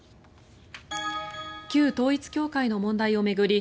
旧統一教会の問題を巡り